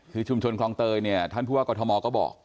คือชุมชนคลองเตยเนี่ยท่านผู้ว่ากรทมก็บอก